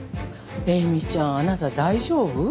映見ちゃんあなた大丈夫？